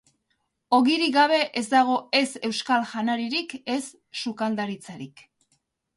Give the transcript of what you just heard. Ogirik gabe ez dago ez euskal janaririk ez sukaldaritzarik.